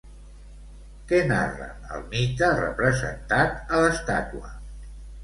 Què narra el mite representat a l'estàtua?